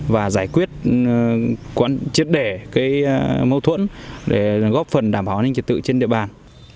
và giải quyết chiếc đẻ mâu thuẫn để góp phần đảm bảo an ninh trật tự trên địa bàn